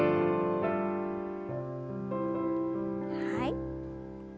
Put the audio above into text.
はい。